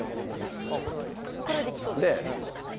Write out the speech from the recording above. これはできそうですね。